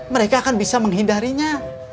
mereka akan bisa menghindarinya